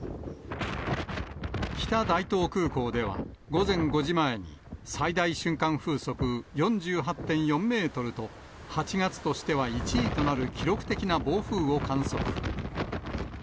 北大東空港では、午前５時前に最大瞬間風速４８．４メートルと、８月としては１位となる記録的な暴風を観測。